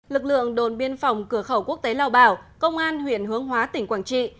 lực lượng đồn biên phòng cửa khẩu quốc tế lao bảo công an huyện hướng hóa tỉnh quảng trị